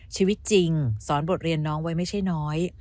ชีวิตจริงสอนบทเรียนน้องไว้ไม่ใช่น้อย